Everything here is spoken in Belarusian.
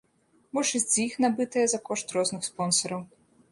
Большасць з іх набытыя за кошт розных спонсараў.